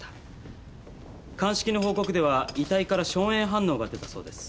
鑑識の報告では遺体から硝煙反応が出たそうです。